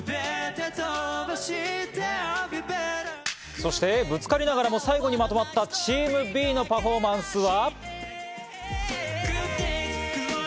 そして、ぶつかりながらも最後にまとまったチームＢのパフォーマンスは。